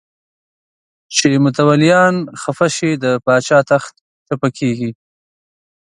چې متولیان خفه شي د پاچا تخت چپه کېږي.